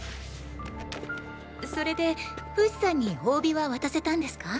それでフシさんに褒美は渡せたんですか？